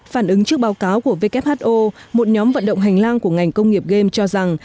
phản ứng trước báo cáo của who một nhóm vận động hành lang của ngành công nghiệp game cho rằng